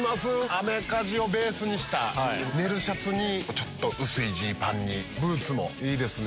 アメカジをベースにしたネルシャツに薄いジーパンにブーツもいいですね。